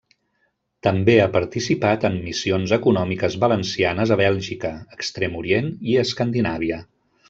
També ha participat en missions econòmiques valencianes a Bèlgica, Extrem Orient i Escandinàvia.